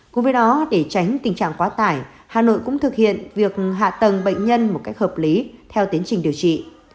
cùng với đó để tránh tình trạng quá tải hà nội cũng thực hiện việc hạ tầng bệnh nhân một cách hợp lý theo tiến trình điều trị